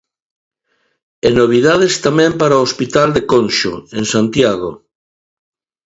E novidades tamén para o Hospital de Conxo, en Santiago.